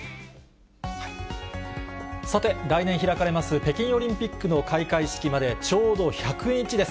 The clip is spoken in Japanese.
さて、来年開かれます北京オリンピックの開会式までちょうど１００日です。